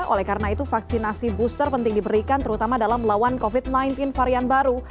oleh karena itu vaksinasi booster penting diberikan terutama dalam melawan covid sembilan belas varian baru